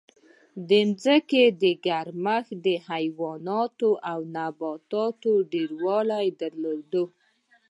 د ځمکې ګرمښت د حیواناتو او نباتاتو ډېروالی درلود.